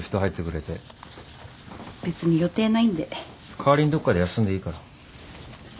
かわりにどっかで休んでいいから。